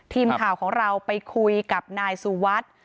ทีมข่าวของเราไปคุยกับนายสุวัสดิ์